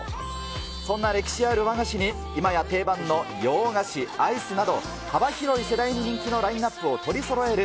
そんな歴史ある和菓子に、今や定番の洋菓子、アイスなど、幅広い世代に人気のラインナップを取りそろえる